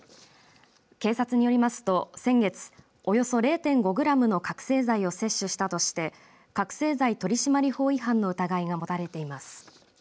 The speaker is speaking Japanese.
警察によりますと先月およそ０．５グラムの覚醒剤を摂取したとして覚醒剤取締法違反の疑いが持たれています。